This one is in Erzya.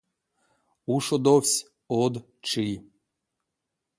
Ушодовсь од чи.